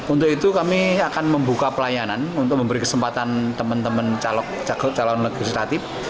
untuk itu kami akan membuka pelayanan untuk memberi kesempatan teman teman calon legislatif